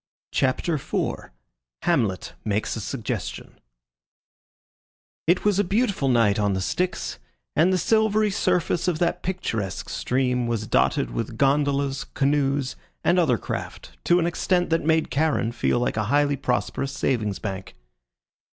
CHAPTER IV: HAMLET MAKES A SUGGESTION It was a beautiful night on the Styx, and the silvery surface of that picturesque stream was dotted with gondolas, canoes, and other craft to an extent that made Charon feel like a highly prosperous savings bank.